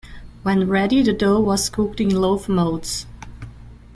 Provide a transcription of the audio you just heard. When ready the dough was cooked in loaf moulds.